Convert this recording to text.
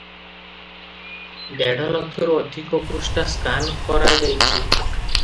ଦେଢ଼ ଲକ୍ଷରୁ ଅଧିକ ପୃଷ୍ଠା ସ୍କାନ କରାଯାଇଛି ।